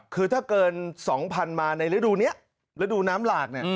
คือถ้าเกิน๒๐๐๐มาในระดูณ์นี้ระดูณ์น้ำหลาก